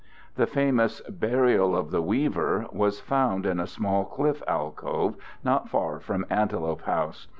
] The famous "Burial of the Weaver" was found in a small cliff alcove not far from Antelope House.